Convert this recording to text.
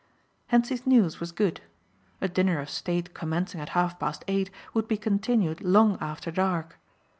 Hentzi's news was good. A dinner of state commencing at half past eight would be continued long after dark.